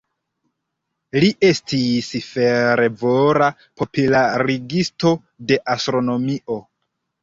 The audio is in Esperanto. Li estis fervora popularigisto de astronomio.